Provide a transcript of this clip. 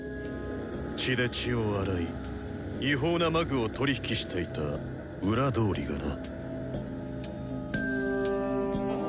血で血を洗い違法な魔具を取り引きしていた裏通りがな。